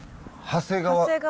長谷川。